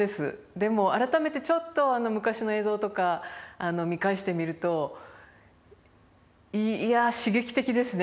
でも改めてちょっと昔の映像とか見返してみるといや刺激的ですね。